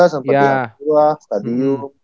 sempat di antua stadium